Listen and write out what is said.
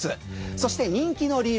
そして、人気の理由